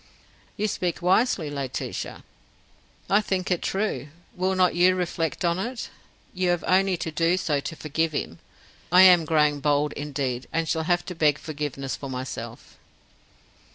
"You speak wisely, Laetitia." "I think it true. Will not you reflect on it? You have only to do so to forgive him. I am growing bold indeed, and shall have to beg forgiveness for myself."